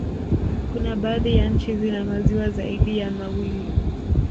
Kuna baadhi nchi zina maziwa zaidi ya mawili